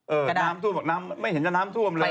เออน้ำท่วมไม่เห็นว่าน้ำท่วมเลย